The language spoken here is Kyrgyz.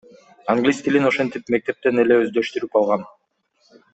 Англис тилин ошентип мектептен эле өздөштүрүп алгам.